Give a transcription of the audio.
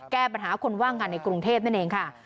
แก้ปัญหาคนว่างงานในกรุงเทพนั่นเองค่ะ